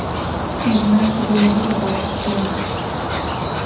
І знакі благія бачыць ён.